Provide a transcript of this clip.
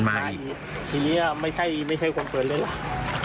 แต่มาวันนี้มันมาอีกทีนี้อ่ะไม่ใช่ไม่ใช่คนเปิดเรื่องนี้ล่ะ